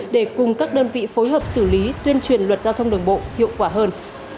để cùng các đơn vị phối hợp xử lý tuyên truyền luật giao thông đường bộ hiệu quả hơn